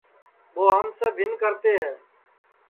کہ ٻو ہم سے بِھن کرتے ہے